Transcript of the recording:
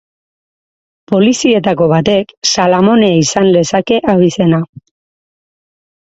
Polizietako batek Salamone izan lezake abizena.